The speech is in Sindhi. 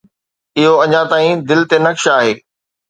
اهو اڃا تائين دل تي نقش آهي.